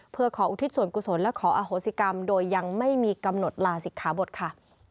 เพื่อขออุทิศส่วนกุศลและขออโหสิกรรมโดยยังไม่มีกำหนดลาศิกขาบทค่ะ